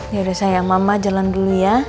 yaudah saya mama jalan dulu ya